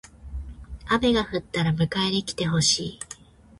雨が降ったら迎えに来てほしい。